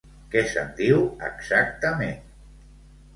Què se'n diu, exactament?